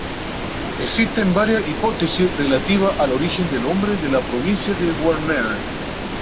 Existen varias hipótesis relativas al origen del nombre de la provincia de Huarmey.